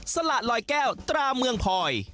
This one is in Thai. สละลอยแก้วตราเมืองพลอย